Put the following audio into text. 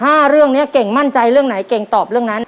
เรื่องนี้เก่งมั่นใจเรื่องไหนเก่งตอบเรื่องนั้น